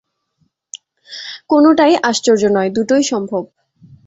কোনোটাই আশ্চর্য নয়, দুটোই সম্ভব ।